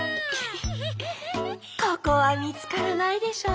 ここはみつからないでしょう。